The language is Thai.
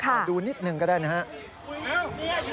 ดูนิดหนึ่งก็ได้นะครับ